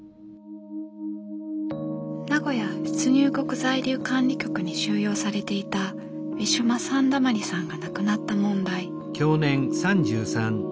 名古屋出入国在留管理局に収容されていたウィシュマ・サンダマリさんが亡くなった問題。